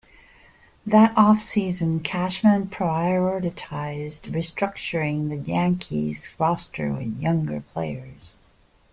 That offseason, Cashman prioritized restructuring the Yankees roster with younger players.